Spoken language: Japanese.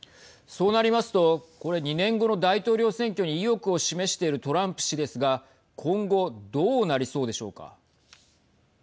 そうなりますとこれ２年後の大統領選挙に意欲を示しているトランプ氏ですが、今後どうなりそうでしょうか。